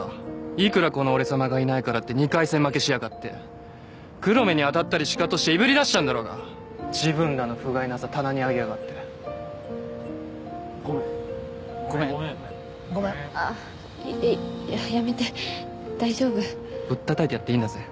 いくらこの俺さまがいないからって２回戦負けしやがって黒目に当たったりシカトしていぶり出したんだろうが自分らのふがいなさ棚に上げやがってごめんごめんあっやめて大丈夫ぶったたいてやっていいんだぜ